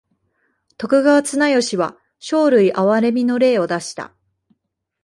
徳川綱吉は生類憐みの令を出した。